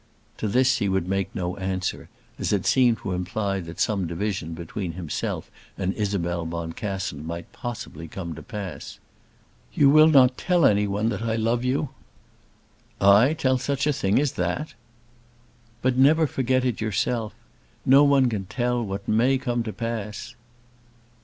To this he would make no answer, as it seemed to imply that some division between himself and Isabel Boncassen might possibly come to pass. "You will not tell any one that I love you?" "I tell such a thing as that!" "But never forget it yourself. No one can tell what may come to pass."